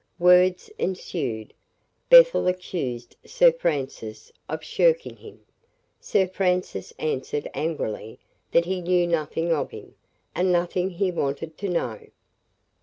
Words ensued. Bethel accused Sir Francis of "shirking" him. Sir Francis answered angrily that he knew nothing of him, and nothing he wanted to know.